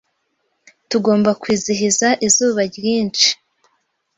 Tugomba kwizihiza izuba ryinshi.